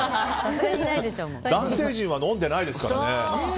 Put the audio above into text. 男性陣は飲んでないですからね。